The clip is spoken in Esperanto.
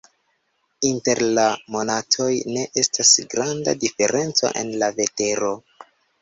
Inter la monatoj ne estas granda diferenco en la vetero.